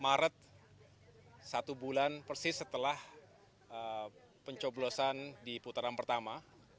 dua puluh maret satu bulan persis setelah pencoblosan di putaran pertama